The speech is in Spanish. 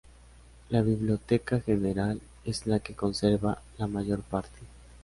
La Biblioteca General es la que conserva la mayor parte.